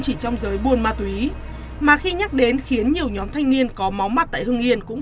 chỉ trong giới buôn ma túy mà khi nhắc đến khiến nhiều nhóm thanh niên có máu mặt tại hưng yên cũng